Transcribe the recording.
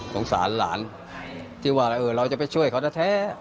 สงสารหลานที่ว่าเราจะไปช่วยเขาแท้